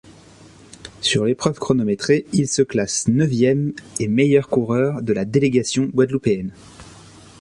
Sur l'épreuve chronométrée, il se classe neuvième et meilleur coureur de la délégation guadeloupéenne.